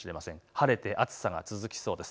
晴れて暑さが続きそうです。